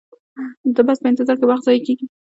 د بس په انتظار کې وخت ضایع کیږي